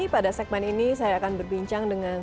pada segmen ini saya akan berbincang dengan